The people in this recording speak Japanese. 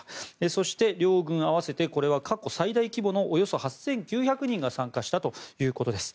そして、両軍合わせてこれは過去最大規模のおよそ８９００人が参加したということです。